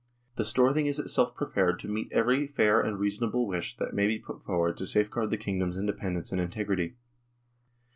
The Storthing is itself prepared to meet every fair and reasonable wish that may be put forward to safeguard the kingdom's independence and integrity."